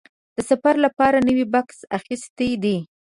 زه د سفر لپاره نوی بکس اخیستی دی.